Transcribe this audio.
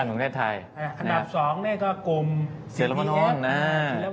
อันดับ๒ก็กลุ่มเศรษฐพ